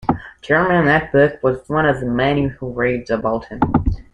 Chairman Nat Buck was one of the many who raved about him.